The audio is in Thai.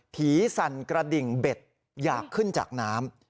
สั่นกระดิ่งเบ็ดอยากขึ้นจากน้ำ